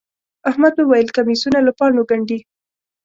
احمد وويل: کمیسونه له پاڼو گنډي.